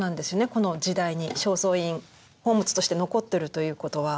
この時代に正倉院宝物として残ってるということは。